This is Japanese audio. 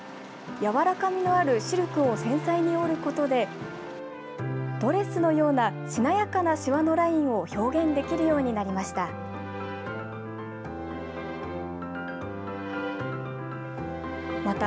やわらかみのあるシルクを繊細に織ることでドレスのようなしなやかなしわのラインを表現できるようになりました。